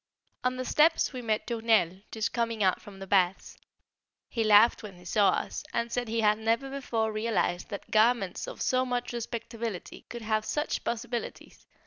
On the steps we met de Tournelle just coming out from the baths; he laughed when he saw us, and said he had never before realised that garments of so much respectability could have such possibilities!